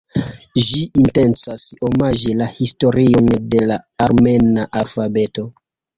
Ĝi intencas omaĝi la historion de la armena alfabeto.